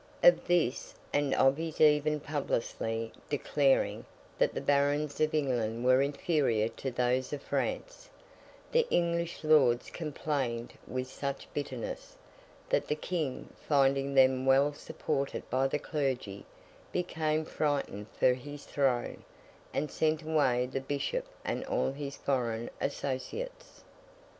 Of this, and of his even publicly declaring that the Barons of England were inferior to those of France, the English Lords complained with such bitterness, that the King, finding them well supported by the clergy, became frightened for his throne, and sent away the Bishop and all his foreign associates.